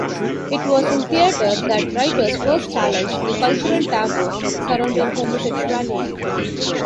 It was in theatre that writers first challenged the cultural taboo surrounding homosexuality.